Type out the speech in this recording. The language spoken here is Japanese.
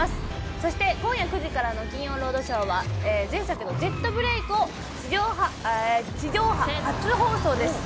そして今夜９時からの『金曜ロードショー』は前作の『ジェットブレイク』を地上波初放送です。